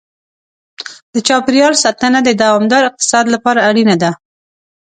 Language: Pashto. د چاپېریال ساتنه د دوامدار اقتصاد لپاره اړینه ده.